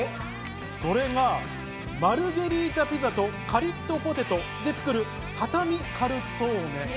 それがマルゲリータピザとカリッとポテトで作る畳みカルツォーネ。